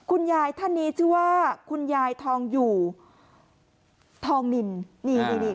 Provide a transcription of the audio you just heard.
คุณยายท่านนี้ชื่อว่าคุณยายทองอยู่ทองนินนี่นี่